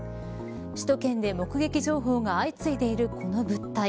首都圏で目撃情報が相次いでいるこの物体。